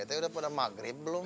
itu sudah pada maghrib belum